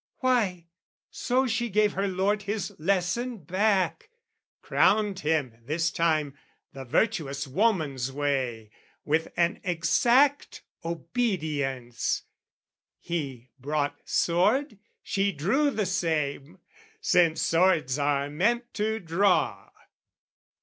Why, so she gave her lord his lesson back, Crowned him, this time, the virtuous woman's way, With an exact obedience; he brought sword, She drew the same, since swords are meant to draw.